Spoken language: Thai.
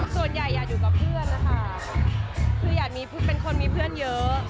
ส่วนใหญ่อยากอยู่กับเพื่อนนะคะคืออยากมีเป็นคนมีเพื่อนเยอะ